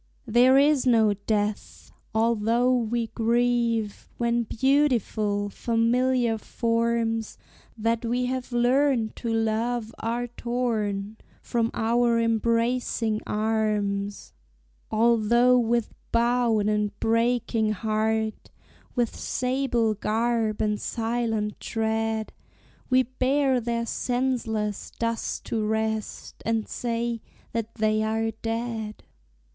There is no death! although we grieve When beautiful, familiar forms That we have learned to love are torn From our embracing arms; Although with bowed and breaking heart, With sable garb and silent tread, We bear their senseless dust to rest, And say that they are "dead."